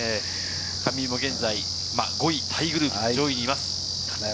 上井は現在５位タイグループ、上位にいます。